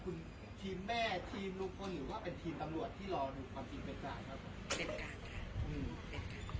คุณทีมแม่ทีมลุงพลหรือว่าเป็นทีมตำรวจที่รอดูความจริงเป็นกลางครับ